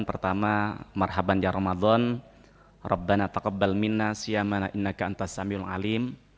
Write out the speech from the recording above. pertama merhaban ya ramadan rabban atakabal minna siyamana inna ka an tasyami ul alim